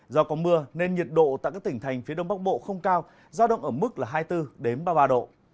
do có mưa nên nhiệt độ tại các tỉnh thành phía đông bắc bộ không cao giao động ở mức là hai mươi bốn ba mươi ba độ